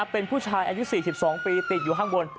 เป็นผู้ชายอายุ๔๒ปีติดอยู่ข้างบน